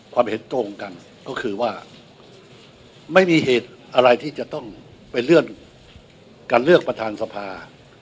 เห็นตรงกันก็คือว่าไม่มีเหตุอะไรที่จะต้องไปเลื่อนการเลือกประธานสภา